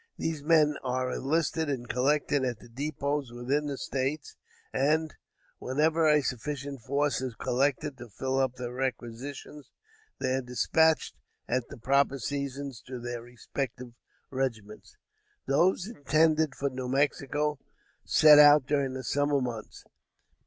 These men are enlisted and collected at the dépôts within the States; and, whenever a sufficient force is collected to fill up the requisitions, they are dispatched, at the proper seasons, to their respective regiments. Those intended for New Mexico set out during the summer months.